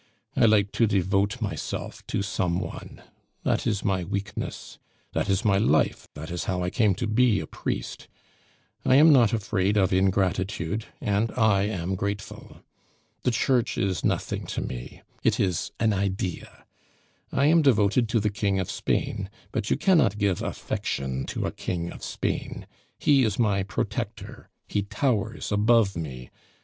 I like to devote myself to some one; that is my weakness. That is my life, that is how I came to be a priest. I am not afraid of ingratitude, and I am grateful. The Church is nothing to me; it is an idea. I am devoted to the King of Spain, but you cannot give affection to a King of Spain; he is my protector, he towers above me.